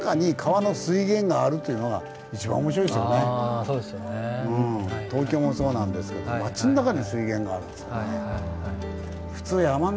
あそうですよね。東京もそうなんですけど町の中に水源があるんですよね。